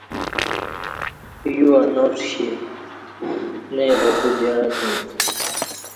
یُوہ ناٹ کشی نےبا تو جعں توم